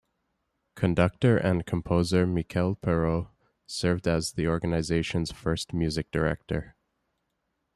Conductor and composer Michel Perrault served as the organization's first music director.